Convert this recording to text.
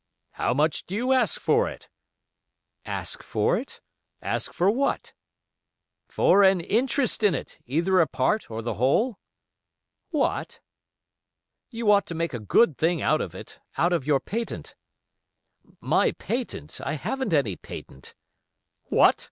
"How much do you ask for it?" "'Ask for it?' Ask for what?" "For an interest in it, either a part or the whole?" "What?" "You ought to make a good thing out of it—out of your patent." "My patent! I haven't any patent." "What!